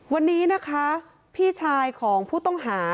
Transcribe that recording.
วันนี้นะคะพี่ชายของผู้ต้องหา